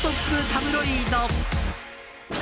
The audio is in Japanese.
タブロイド。